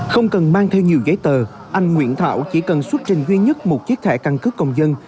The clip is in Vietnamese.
không cần mang theo nhiều giấy tờ anh nguyễn thảo chỉ cần xuất trình duy nhất một chiếc thẻ căn cước công dân